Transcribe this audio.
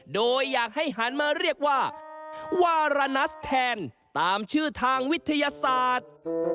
โดยอยากให้หันมาเรียกว่าวารานัสแทนตามชื่อทางวิทยาศาสตร์